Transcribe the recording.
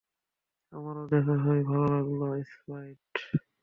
আমারও দেখা হয়ে ভালো লাগলো, স্প্রাইট।